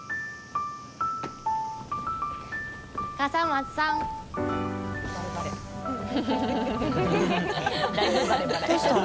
笠松さんどうしたん？